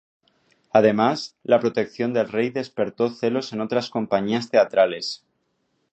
Además, la protección del rey despertó celos en otras compañías teatrales.